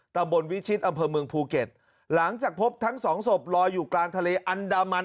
ตำบลวิชิตอำเภอเมืองภูเก็ตหลังจากพบทั้งสองศพลอยอยู่กลางทะเลอันดามัน